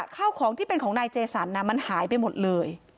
ข้าวของที่เป็นของนายเจสันมันหายไปหมดเลย